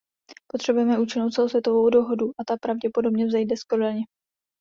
Potřebujeme účinnou celosvětovou dohodu a ta pravděpodobně vzejde z Kodaně.